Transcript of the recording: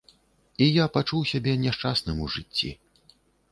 І я пачуў сябе няшчасным у жыцці.